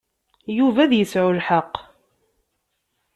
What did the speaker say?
Yuba ad yesɛu lḥeqq.